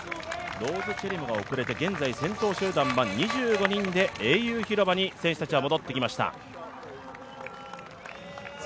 ローズ・チェリモが遅れて現在先頭集団は２４人で、英雄広場に選手たちは戻ってきました。